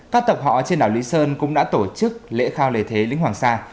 các tộc họ trên đảo lý sơn cũng đã tổ chức lễ khao lễ thế lính hoàng sa